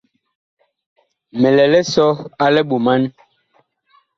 Mi lɛ lisɔ a liɓoman.